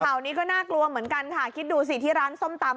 ข่าวนี้ก็น่ากลัวเหมือนกันค่ะคิดดูสิที่ร้านส้มตำ